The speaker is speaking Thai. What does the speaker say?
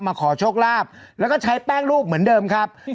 ขอโชคลาภแล้วก็ใช้แป้งรูปเหมือนเดิมครับ